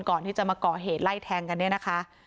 ก่อนที่จะมาก่อเหตุไล่แทงกันเนี่ยนะคะ